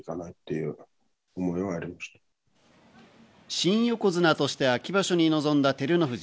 新横綱として秋場所に臨んだ照ノ富士。